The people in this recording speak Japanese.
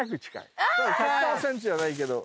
１００％じゃないけど。